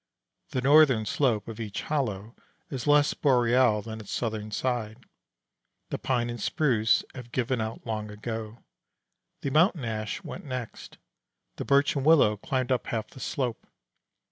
The northern slope of each hollow is less boreal than its southern side. The pine and spruce have given out long ago; the mountain ash went next; the birch and willow climbed up half the slope.